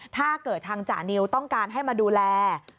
ถ้าเกิดทางจานิวต้องการให้มาดูแล